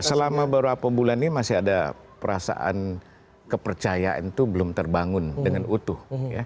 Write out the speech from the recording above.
selama beberapa bulan ini masih ada perasaan kepercayaan itu belum terbangun dengan utuh